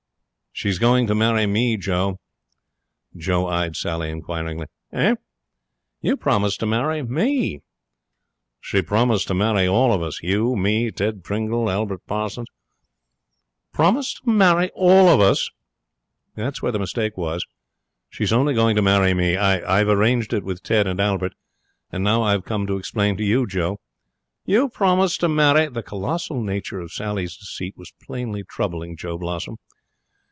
'She's going to marry me, Joe.' Joe eyed Sally inquiringly. 'Eh? You promised to marry me.' 'She promised to marry all of us. You, me, Ted Pringle, and Albert Parsons.' 'Promised to marry all of us!' 'That's where the mistake was. She's only going to marry me. I I've arranged it with Ted and Albert, and now I've come to explain to you, Joe.' 'You promised to marry !' The colossal nature of Sally's deceit was plainly troubling Joe Blossom.